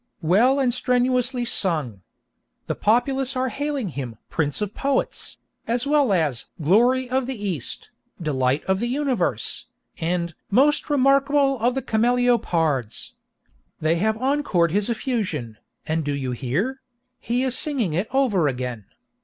Well and strenuously sung! The populace are hailing him 'Prince of Poets,' as well as 'Glory of the East,' 'Delight of the Universe,' and 'Most Remarkable of Cameleopards.' They have encored his effusion, and do you hear?—he is singing it over again.